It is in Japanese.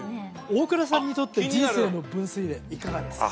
大倉さんにとって人生の分水嶺いかがですか？